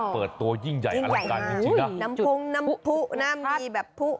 เปิดตัวยิ่งใหญ่อร่อยกันจริงน้ำพุงน้ำผู้น้ำดีแบบผู้